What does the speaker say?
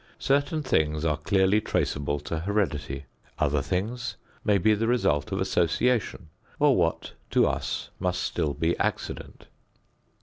Certain things are clearly traceable to heredity. Other things may be the result of association or what to us must still be accident.